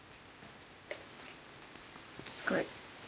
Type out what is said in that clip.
すごい。